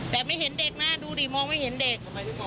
แต่ไม่เห็นเด็กนะดูดิมองไม่เห็นเด็ก